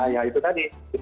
ya itu tadi